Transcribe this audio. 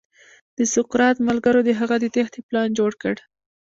د سقراط ملګرو د هغه د تېښې پلان جوړ کړ.